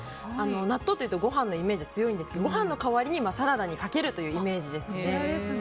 納豆というとご飯のイメージ強いですがご飯の代わりにサラダにかけるイメージですね。